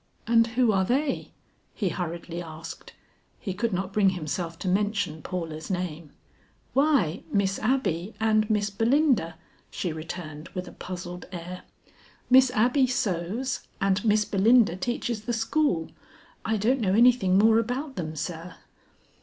"And who are they?" he hurriedly asked; he could not bring himself to mention Paula's name. "Why, Miss Abby and Miss Belinda," she returned with a puzzled air. "Miss Abby sews and Miss Belinda teaches the school. I don't know anything more about them, sir."